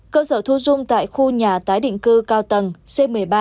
cơ sở thu dung tại khu nhà tái định cư cao tầng c một mươi ba